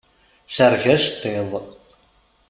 Cerreg aceṭṭiḍ.